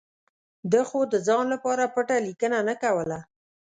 ده خو د ځان لپاره پټه لیکنه نه کوله.